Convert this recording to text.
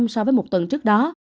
so với một tuần trước đó